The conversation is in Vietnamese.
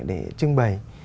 để trưng bày